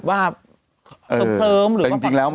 มีสารตั้งต้นเนี่ยคือยาเคเนี่ยใช่ไหมคะ